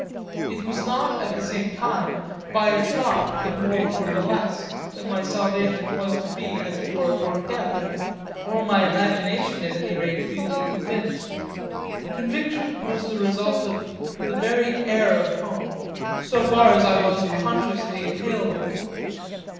It was not, at the same time, by a Charm the more or the less that my salvation was to be, as it were, worked out, or my imagination at any rate duly convinced; conviction was the result of the very air of home, so far as I most consciously inhaled it.